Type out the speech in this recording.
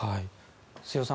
瀬尾さん